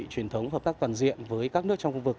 truyền thống hợp tác toàn diện với các nước trong khu vực